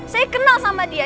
saya kenal sama dia